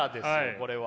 これは。